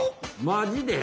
マジで！